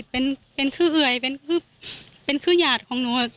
เป็นคือเอื่อยเป็นคือหยาดของหนู